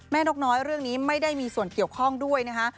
นกน้อยเรื่องนี้ไม่ได้มีส่วนเกี่ยวข้องด้วยนะคะ